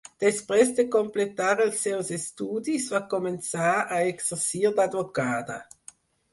Després de completar els seus estudis, va començar a exercir d'advocada.